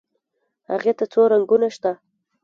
هغې ته څو رنګونه شته.